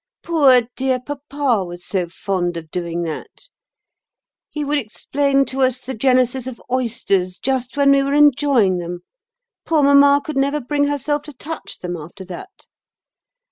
"Poor, dear papa was so fond of doing that. He would explain to us the genesis of oysters just when we were enjoying them. Poor mamma could never bring herself to touch them after that.